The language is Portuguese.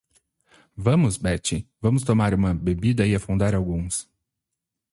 Vamos Betty? vamos tomar uma bebida e afundar alguns.